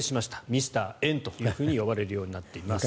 ミスター円と呼ばれるようになっています。